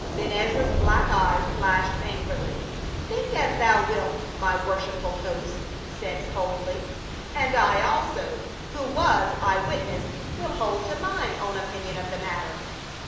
Ben Ezra's black eyes flashed angrily. "Think as thou wilt, my worshipful host," he said coldly. "And I also, who was eye witness, will hold to mine own opinion of the matter."